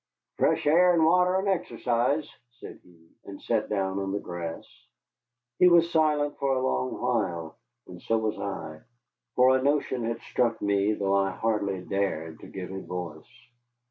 "Fresh air and water and exercise," said he, and sat down on the grass. He was silent for a long while, and so was I. For a notion had struck me, though I hardly dared to give it voice.